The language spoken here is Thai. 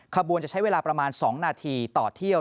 ขบวนจะใช้เวลาประมาณ๒นาทีต่อเที่ยว